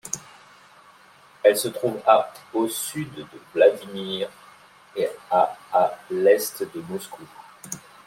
Elle se trouve à au sud de Vladimir et à à l'est de Moscou.